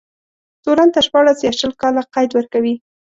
تورن ته شپاړس يا شل کاله قید ورکوي.